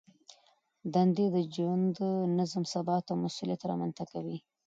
دندې د ژوند نظم، ثبات او مسؤلیت رامنځته کوي.